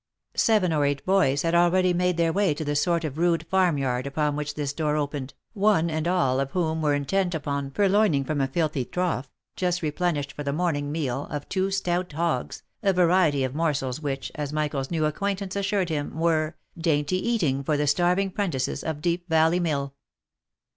Seven or eight boys had already made their way to the sort of rude farm yard upon which this door opened, one and all of whom were intent upon purloining from a filthy trough just replenished for the morning meal of two stout hogs, a variety of morsels which, as Michael's new acquaintance assured him, were " dainty eating for the starving prentices of Deep Valley mill."